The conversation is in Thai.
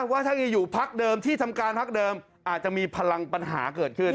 ว่าถ้ายังอยู่พักเดิมที่ทำการพักเดิมอาจจะมีพลังปัญหาเกิดขึ้น